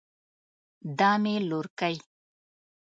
دا مې لورکۍ